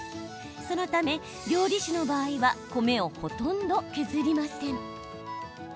そのため、料理酒の場合は米をほとんど削りません。